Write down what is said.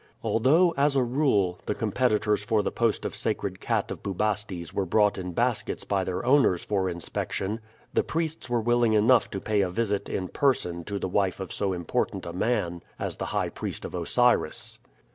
Although, as a rule, the competitors for the post of sacred cat of Bubastes were brought in baskets by their owners for inspection, the priests were willing enough to pay a visit in person to the wife of so important a man as the high priest of Osiris.